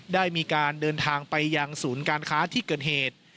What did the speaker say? ได้มีการเดินทางไปยังศูนย์การค้าที่เกิดเหตุ